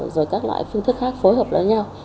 rồi các loại phương thức khác phối hợp với nhau